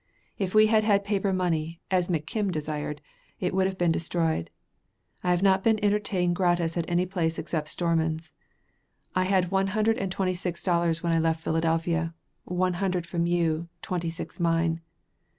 If I had had paper money, as McKim desired, it would have been destroyed. I have not been entertained gratis at any place except Stormon's. I had one hundred and twenty six dollars when I left Philadelphia, one hundred from you, twenty six mine.